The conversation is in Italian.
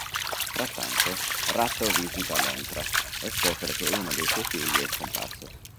Frattanto, Ratto visita Lontra e scopre che uno dei suoi figli è scomparso.